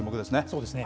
そうですね。